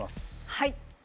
はい。